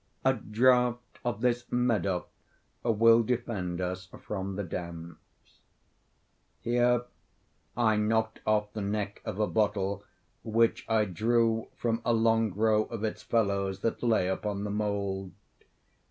A draught of this Medoc will defend us from the damps." Here I knocked off the neck of a bottle which I drew from a long row of its fellows that lay upon the mould.